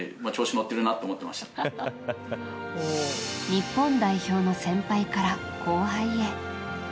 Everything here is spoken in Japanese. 日本代表の先輩から後輩へ。